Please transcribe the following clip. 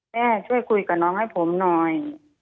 ช่วยคุยกับน้องให้ผมหน่อย